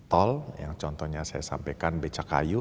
khususnya misalnya sepanjang tol yang contohnya saya sampaikan beca kayu